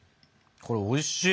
これおいしい。